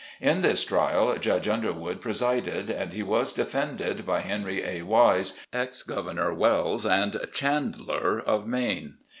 In this trial Judge Underwood presided, and he was defended by Henry A. Wise, Ex Governor Wells, and Chandler of Maine.